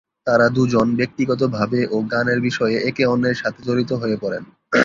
তারা দুজন ব্যক্তিগতভাবে ও গানের বিষয়ে একে অন্যের সাথে জড়িত হয়ে পরেন।